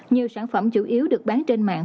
nhiều sản phẩm chủ yếu được bán trên mạng